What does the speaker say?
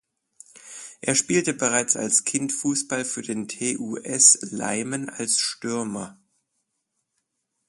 Er spielte bereits als Kind Fußball für den TuS Leimen als Stürmer.